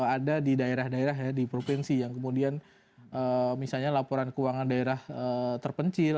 ada di daerah daerah di provinsi yang kemudian misalnya laporan keuangan daerah terpencil